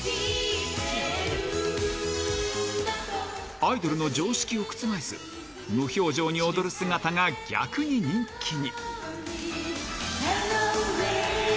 アイドルの常識を覆す、無表情に踊る姿が逆に人気に。